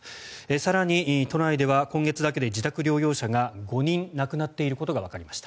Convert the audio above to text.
更に都内では今月だけで自宅療養者が５人亡くなっていることがわかりました。